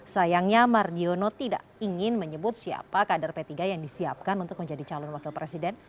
sayangnya mardiono tidak ingin menyebut siapa kader p tiga yang disiapkan untuk menjadi calon wakil presiden